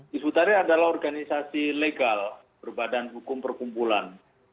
bisbut tahir adalah organisasi legal berbadan hukum perkumpulan